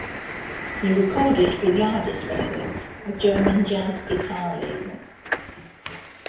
He recorded for Jardis Records, a German jazz guitar label.